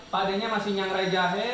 padanya masih nyangrai jahe